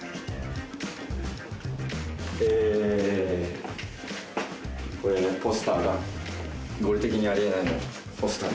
「えこれポスターが『合理的にあり得ない』のポスターですね」